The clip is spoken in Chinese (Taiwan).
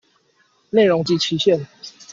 內容及期限